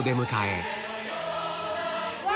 うわ！